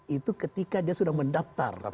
itu ketika dia sudah mendaftar